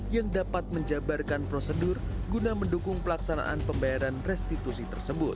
yang dapat menjabarkan prosedur guna mendukung pelaksanaan pembayaran restitusi tersebut